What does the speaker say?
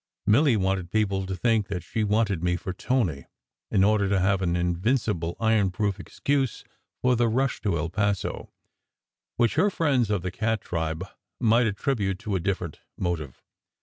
Milly wanted people to think that she wanted me for Tony, in order to have an invincible, ironproof excuse for the rush to El Paso, which her friends of the cat tribe might attribute to a different motive.